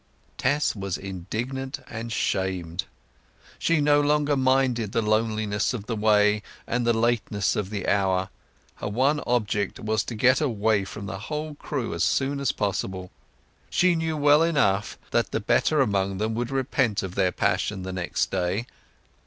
Tess was indignant and ashamed. She no longer minded the loneliness of the way and the lateness of the hour; her one object was to get away from the whole crew as soon as possible. She knew well enough that the better among them would repent of their passion next day.